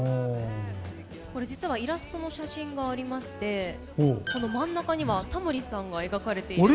実はイラストの写真がありましてこの真ん中にはタモリさんが描かれています。